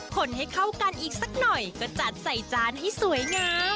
คนให้เข้ากันอีกสักหน่อยก็จัดใส่จานให้สวยงาม